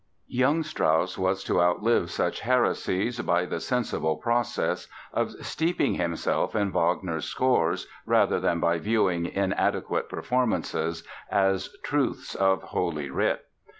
Young Strauss was to outlive such heresies by the sensible process of steeping himself in Wagner's scores rather than by viewing inadequate performances as truths of Holy Writ.